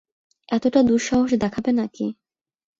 এতটা দুঃসাহস দেখাবে নাকি?